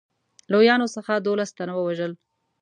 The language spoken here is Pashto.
لویانو څخه دوولس تنه ووژل.